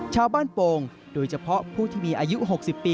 โป่งโดยเฉพาะผู้ที่มีอายุ๖๐ปี